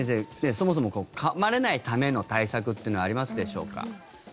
そもそも、かまれないための対策というのはありますでしょうか。